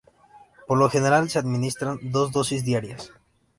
Por lo general se administran dos dosis diarias.